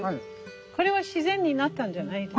これは自然になったんじゃないでしょ？